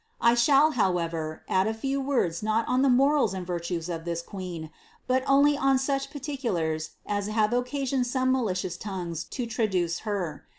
I shall, however, add a few words not on the morals and virtues of this queen, but only on such particulars as have occasioned some malicious tongues to tra duce her.